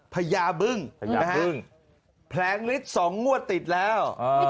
พญาบึ้งแผลงฤทธิ์๒งวดติดแล้ว